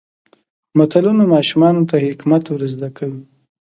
متلونه ماشومانو ته حکمت ور زده کوي.